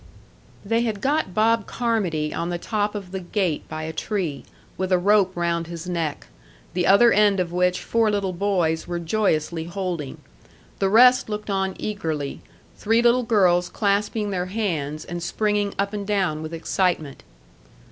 They had got Bob Carmody on the top of the gate by a tree, with a rope round his neck, the other end of which four little boys were joyously holding. The rest looked on eagerly, three little girls clasping their hands, and springing up and down with excitement.